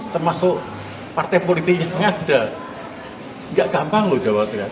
termasuk partai politiknya tidak gampang loh jawa tengah